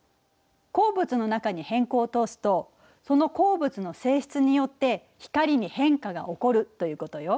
鉱物の中に偏光を通すとその鉱物の性質によって光に変化が起こるということよ。